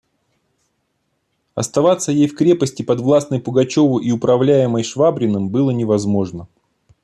Оставаться ей в крепости, подвластной Пугачеву и управляемой Швабриным, было невозможно.